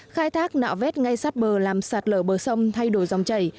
khai thác nạo vét ngay sát bờ làm sạt lở bờ sông thay đổi dòng chảy